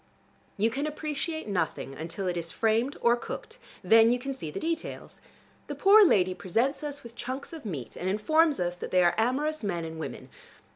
You can appreciate nothing until it is framed or cooked: then you can see the details. The poor lady presents us with chunks of meat and informs us that they are amorous men and women.